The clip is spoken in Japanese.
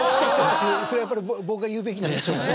それはやっぱり僕が言うべきなんでしょうかね。